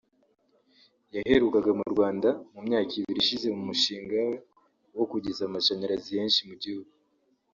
yaherukaga mu Rwanda mu myaka ibiri ishize mu mushinga we wo kugeza amashanyarazi henshi mu gihugu